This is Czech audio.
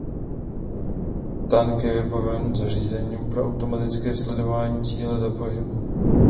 Tank je vybaven zařízením pro automatické sledování cíle za pohybu.